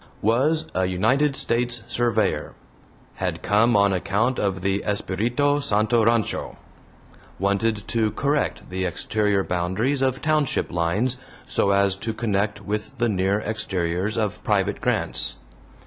Was a United States surveyor. Had come on account of the Espiritu Santo Rancho. Wanted to correct the exterior boundaries of township lines, so as to connect with the near exteriors of private grants.